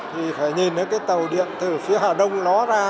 thì phải nhìn thấy cái tàu điện từ phía hà đông nó ra